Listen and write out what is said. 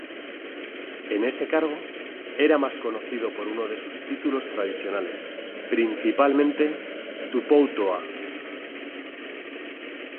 En ese cargo, era más conocido por uno de sus títulos tradicionales, principalmente 'Tupoutoʻa'.